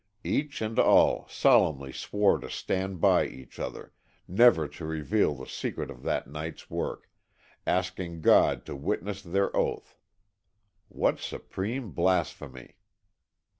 Each and all solemnly swore to stand by each other, never to reveal the secret of that night's work, asking God to witness their oath. What supreme blasphemy!